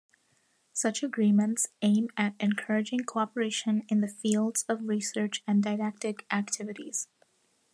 Such agreements aim at encouraging cooperation in the fields of research and didactic activities.